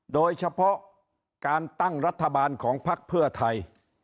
โดยเฉพาะการตั้งรัฐบาลของพักเพื่อไทย